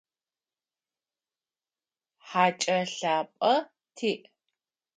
Хакӏэ лъапӏэ тиӏ.